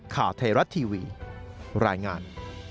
ข่าวไทยรัฐทีวีรายงาน